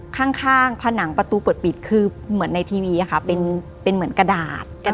ข้างผนังประตูเปิดปิดคือเหมือนในทีวีค่ะเป็นเหมือนกระดาษ